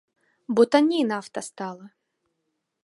Бо танней нафта стала.